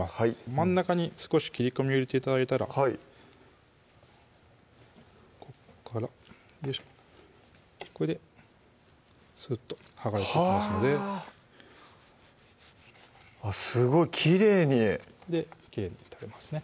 真ん中に少し切り込みを入れて頂いたらここからよいしょこれですっと剥がれていきますのですごいきれいにきれいに取れますね